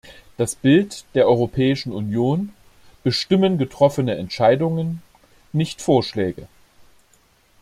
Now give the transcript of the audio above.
Das Bild der Europäischen Union bestimmen getroffene Entscheidungen nicht Vorschläge.